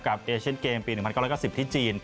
กับเอเชนเกมปี๑๙๙๐ที่จีน